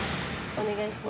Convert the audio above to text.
お願いします。